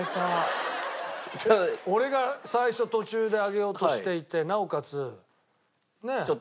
俺が最初途中で挙げようとしていてなおかつねえ？